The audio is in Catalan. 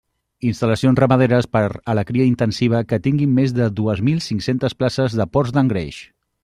Instal·lacions ramaderes per a la cria intensiva que tinguin més de dues mil cinc-centes places de porcs d'engreix.